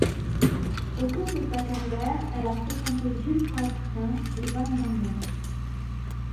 Au cours de sa carrière, elle a fréquenté Jules Pascin et van Dongen.